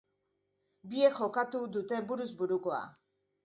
Biek jokatu dute buruz burukoa.